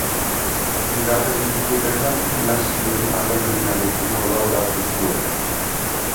Bigarren Mundu Gerran Nazien Alemaniarekin kolaboratu zuen.